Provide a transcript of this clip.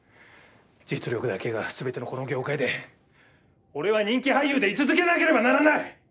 実力だけがすべてのこの業界で俺は人気俳優でい続けなければならない！